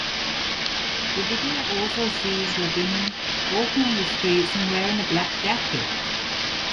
The video also sees Lavigne walking on the streets and wearing a black jacket.